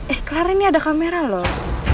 eh kelar ini ada kamera loh